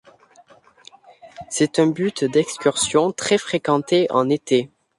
C'est un but d'excursion très fréquenté en été.